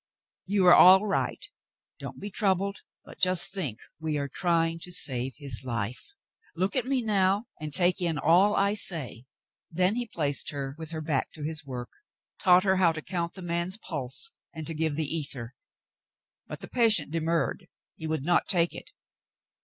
You are all right. Don't be troubled, but just think we are trying to save his life. Look at me now, and take in all I say." Then he placed her with her back to his work, taught her how to count the man's pulse and to give the ether; but the patient demurred. He would not take it.